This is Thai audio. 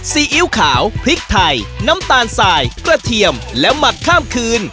ซีอิ๊วขาวพริกไทยน้ำตาลสายกระเทียมและหมักข้ามคืน